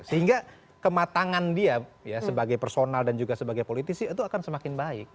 sehingga kematangan dia sebagai personal dan juga sebagai politisi itu akan semakin baik